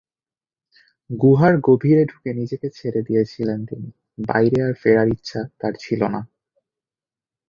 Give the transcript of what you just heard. গুহার গভীরে ঢুকে নিজেকে ছেড়ে দিয়েছিলেন তিনি, বাইরে আর ফেরার ইচ্ছে তার ছিল না।